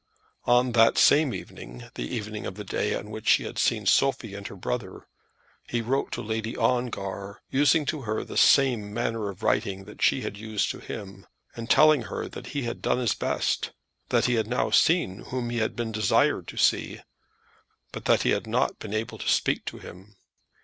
On that same evening, the evening of the day on which he had seen Sophie and her brother, he wrote to Lady Ongar, using to her the same manner of writing that she had used to him, and telling her that he had done his best, that he had now seen him whom he had been desired to see, but that he had not been able to speak to him.